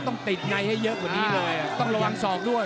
ต้องติดในให้เยอะกว่านี้เลย